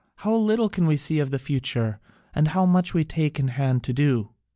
How little can we see of the future, and how much we take in hand to do!